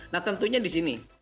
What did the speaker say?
nah tentunya di sini